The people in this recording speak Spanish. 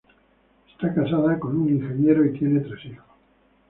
Está casada con un ingeniero y tienen tres hijos..